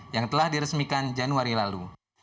yang telah diresmikan januari lalu